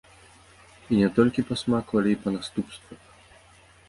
І не толькі па смаку, але і па наступствах.